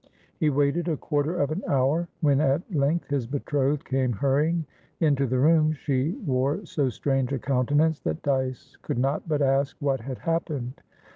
He waited a quarter of an hour. When at length his betrothed came hurrying into the room, she wore so strange a countenance that Dyce could not but ask what had happened.